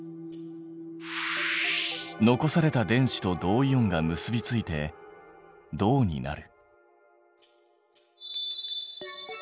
残された電子と銅イオンが結び付いて銅になる。